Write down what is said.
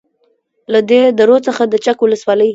. له دې درو څخه د چک ولسوالۍ